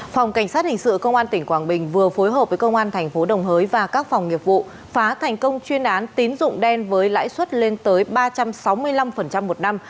phòng cảnh sát hình sự công an tỉnh quảng bình vừa phối hợp với công an thành phố đồng hới và các phòng nghiệp vụ phá thành công chuyên án tín dụng đen với lãi suất lên tới ba trăm sáu mươi năm một năm